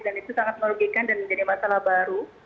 dan itu sangat merugikan dan menjadi masalah baru